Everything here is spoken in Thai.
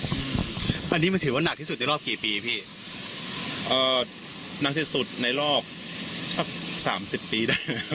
อันนี้มันถือว่านักที่สุดในรอบกี่ปีพี่เอ่อหนักที่สุดในรอบสักสามสิบปีได้แล้ว